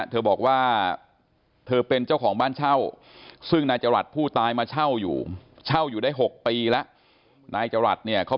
เธอบอกว่าเธอเป็นเจ้าของบ้านเช่า